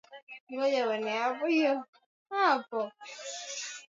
Kuwepo damu kwenye uchafu unaotoka puani ni dalili ya homa ya bonde la ufa